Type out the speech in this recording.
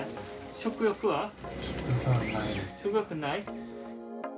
食欲ない？